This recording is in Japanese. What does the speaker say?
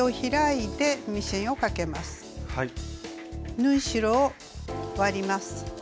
縫い代を割ります。